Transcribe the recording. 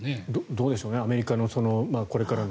どうでしょう。